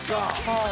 はい。